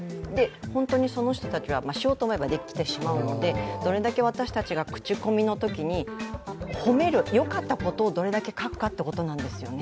その人たちは、しようとするとできてしまうのでどれだけ私たちが口コミのときに褒める、よかったことをどれだけ書くかということなんですね。